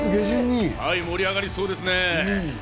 盛り上がりそうですね。